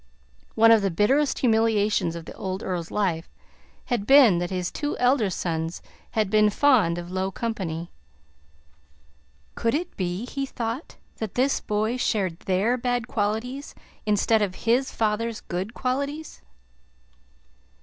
One of the bitterest humiliations of the old Earl's life had been that his two elder sons had been fond of low company. Could it be, he thought, that this boy shared their bad qualities instead of his father's good qualities?